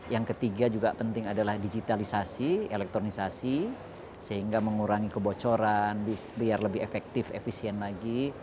yang ketiga juga penting adalah digitalisasi elektronisasi sehingga mengurangi kebocoran biar lebih efektif efisien lagi